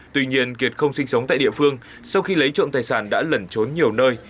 tuy nhiên kiệt không sinh sống tại địa phương sau khi lấy trộm tài sản đã lẩn trốn nhiều nơi